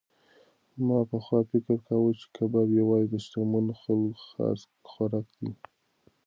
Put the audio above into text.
ما پخوا فکر کاوه چې کباب یوازې د شتمنو خلکو خاص خوراک دی.